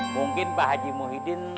mungkin pak haji muhyiddin